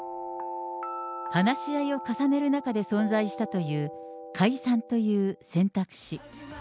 話し合いを重ねる中で存在したという解散という選択肢。